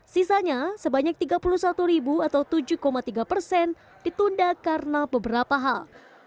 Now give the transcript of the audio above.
sisanya sebanyak tiga puluh satu ribu atau tujuh tiga persen ditunda karena beberapa hal